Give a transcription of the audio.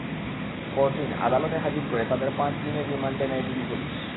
পরদিন আদালতে হাজির করে তাঁদের পাঁচ দিনের রিমান্ডে নেয় ডিবি পুলিশ।